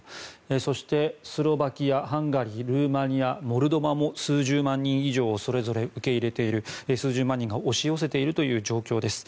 そしてスロバキアハンガリー、ルーマニアモルドバも数十万人以上それぞれ受け入れている数十万人が押し寄せているという状況です。